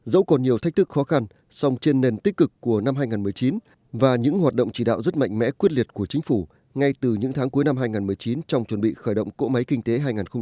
dẫu còn nhiều thách thức khó khăn song trên nền tích cực của năm hai nghìn một mươi chín và những hoạt động chỉ đạo rất mạnh mẽ quyết liệt của chính phủ ngay từ những tháng cuối năm hai nghìn một mươi chín trong chuẩn bị khởi động cỗ máy kinh tế hai nghìn hai mươi